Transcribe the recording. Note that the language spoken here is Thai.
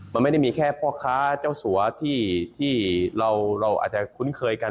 มันไม่ได้มีแค่พ่อค้าเจ้าสัวที่เราอาจจะคุ้นเคยกัน